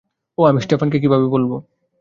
ওহ, আমি স্টেফানকে আমি কিভাবে বলবো?